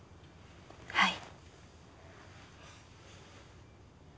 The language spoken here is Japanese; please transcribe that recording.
はい。